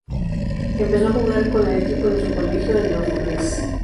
Empezó a jugar en el equipo de su colegio, Los Robles.